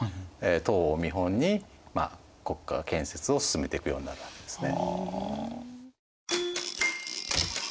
唐を見本に国家建設を進めていくようになるわけですね。